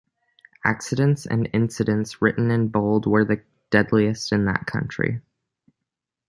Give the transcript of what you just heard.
Accidents and incidents written in bold were the deadliest in that country.